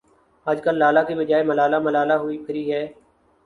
آجکل لالہ کے بجائے ملالہ ملالہ ہوئی پھری ہے ۔